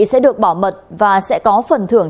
sẽ được bỏ mật và sẽ có phần thưởng